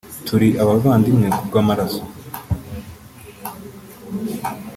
turi abavandimwe kubw’amaraso